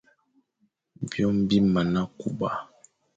Byôm bi mana kuba.